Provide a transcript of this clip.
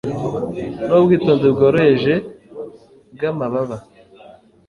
nubwitonzi bworoheje bwamababa